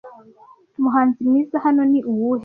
Umuhanzi mwiza hano ni uwuhe